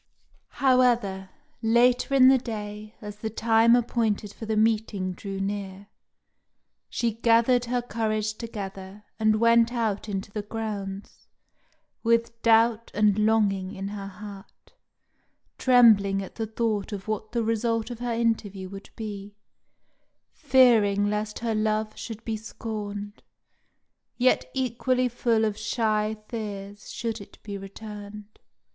However, later in the day, as the time appointed for the meeting drew near, she gathered her courage together, and went out into the grounds, with doubt and longing in her heart, trembling at the thought of what the result of her interview would be, fearing lest her love should be scorned, yet equally full of shy fears should it be returned.